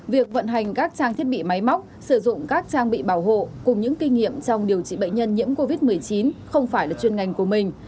việc vận hành các trang thiết bị máy móc sử dụng các trang bị bảo hộ cùng những kinh nghiệm trong điều trị bệnh nhân nhiễm covid một mươi chín không phải là chuyên ngành của mình